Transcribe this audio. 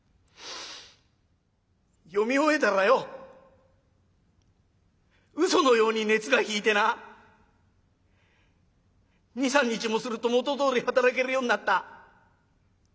読み終えたらようそのように熱が引いてな２３日もすると元どおり働けるようになった。